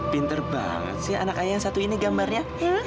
pinter banget sih anak ayah yang satu ini gambarnya